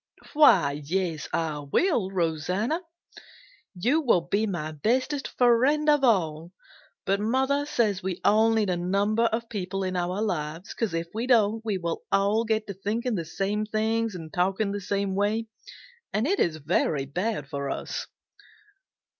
"Why, yes, I will, Rosanna! You will be my bestest friend of all. But mother says we all need a number of people in our lives because if we don't we will all get to thinking the same things and talking the same way, and it is very bad for us."